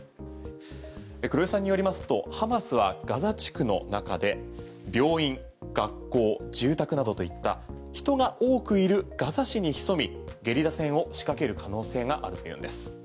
黒井さんによりますとハマスはガザ地区の中で病院、学校、住宅などといった人が多くいるガザ市に潜みゲリラ戦を仕掛ける可能性があるというんです。